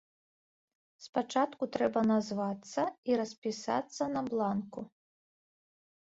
Спачатку трэба назвацца і распісацца на бланку.